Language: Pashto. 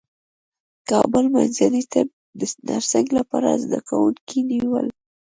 کابل منځني طب د نرسنګ لپاره زدکوونکي نیول